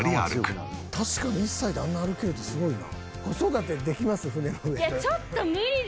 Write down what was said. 確かに１歳であんな歩けるってすごいな。